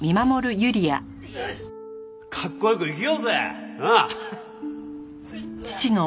カッコよく生きようぜ。なあ！